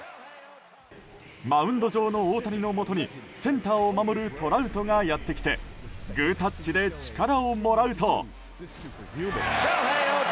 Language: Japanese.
マウンド上の大谷のもとにセンターを守るトラウトがやってきてグータッチで力をもらうと。